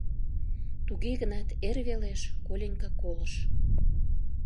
Туге гынат эр велеш Коленька колыш.